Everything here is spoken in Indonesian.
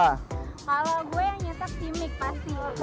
kalau gue yang nyetak timik pasti